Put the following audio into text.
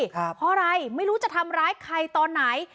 เพราะอะไรไม่รู้จะทำร้ายใครตอนไหน